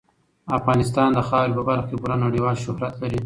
افغانستان د خاورې په برخه کې پوره نړیوال شهرت لري.